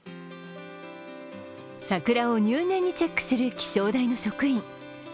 桜を入念にチェックする気象台の職員。